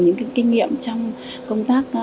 những kinh nghiệm trong công tác